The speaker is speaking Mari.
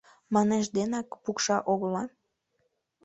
Манеш денак пукша огыла.